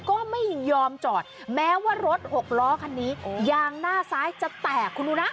ก็ไม่ยอมจอดแม้ว่ารถหกล้อคันนี้ยางหน้าซ้ายจะแตกคุณดูนะ